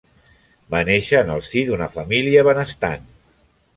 Va néixer en el si d'una família benestant.